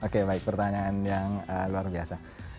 oke baik pertanyaan yang luar biasa